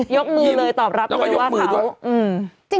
ยกมือเลยตอบรับเลยว่าเขา